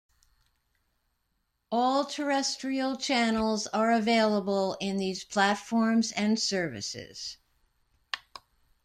All terrestrial channels are available in these platforms and services.